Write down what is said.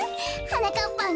はなかっぱん。